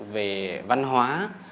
về văn hóa